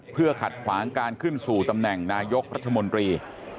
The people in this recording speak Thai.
เพื่อขัดขวางการขึ้นสู่ตำแหน่งนายกรัฐมนตรี